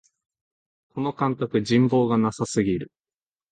この監督、人望がなさすぎる